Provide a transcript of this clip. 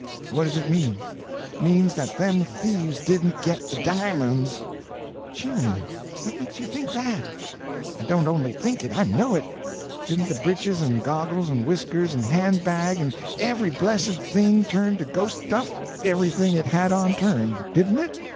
What does it mean?" "Means that them thieves didn't get the di'monds." "Jimminy! What makes you think that?" "I don't only think it, I know it. Didn't the breeches and goggles and whiskers and hand bag and every blessed thing turn to ghost stuff? Everything it had on turned, didn't it?